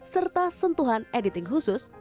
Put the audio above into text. serta sentuhan editing khusus